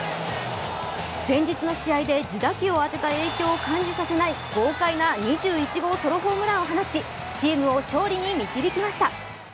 前日の試合で自打球を当てた影響を感じさせない豪快な２１号ソロホームランを放ちチームを勝利に導きました。